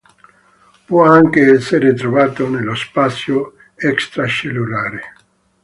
Può anche essere trovato nello spazio extracellulare.